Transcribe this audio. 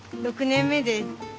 ６年目です。